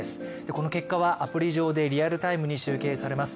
この結果はアプリ上でリアルタイムに集計されます。